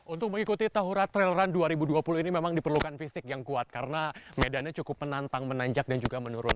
untuk mengikuti tahura trail run dua ribu dua puluh ini memang diperlukan fisik yang kuat karena medannya cukup menantang menanjak dan juga menurun